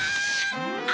あ！